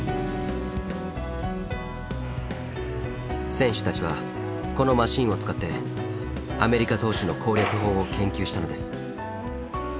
選手たちはこのマシンを使ってアメリカ投手の攻略法を研究したのです。